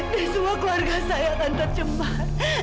dan semua keluarga saya akan tercembat